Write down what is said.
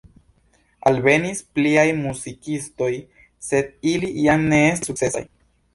Alvenis pliaj muzikistoj, sed ili jam ne estis sukcesaj.